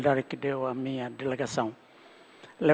dan saya ingin mengucapkan terima kasih atas pembawaan saya